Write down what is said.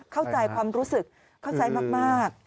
เข้าใจความรู้สึกเข้าใจมาก